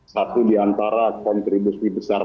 satu diantara kontribusi besar